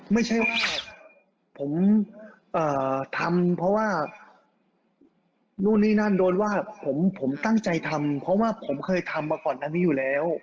ไม่ใช่ว่าผมทำเพราะว่านู่นนี่นั่นโดนว่าผมตั้งใจทำเพราะว่าผมเคยทำมาก่อนอันนี้อยู่แล้ว